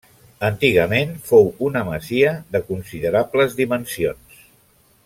Antigament fou una masia de considerables dimensions.